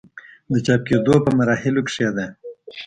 د چاپ کيدو پۀ مراحلو کښې ده